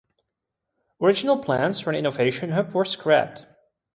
Original plans for an innovation hub were scrapped.